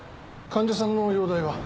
患者さんの容体は？